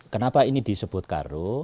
kenapa ini disebut karu